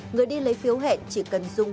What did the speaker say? người đi lấy phiếu hẹn chỉ cần dùng